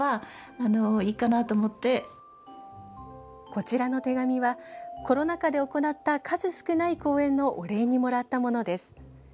こちらの手紙はコロナ禍で行った数少ない公演のお礼にもらったものです。